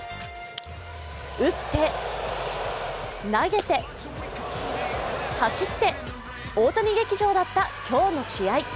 打って、投げて、走って、大谷劇場だった今日の試合。